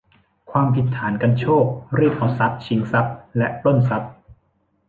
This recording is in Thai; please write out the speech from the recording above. ความผิดฐานกรรโชก รีดเอาทรัพย์ ชิงทรัพย์ และปล้นทรัพย์